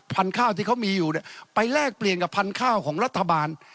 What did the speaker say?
พันธุ์ข้าวที่เขามีอยู่เนี่ยไปแลกเปลี่ยนกับพันธุ์ข้าวของรัฐบาล